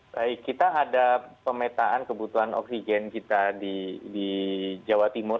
baik kita ada pemetaan kebutuhan oksigen kita di jawa timur